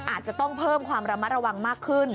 อาจจะต้องเพิ่มความระมัดระวังมากขึ้น